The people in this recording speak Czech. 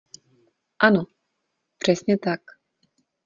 Ano, přesně tak...